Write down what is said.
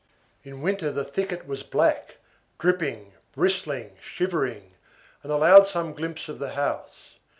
In winter the thicket was black, dripping, bristling, shivering, and allowed some glimpse of the house.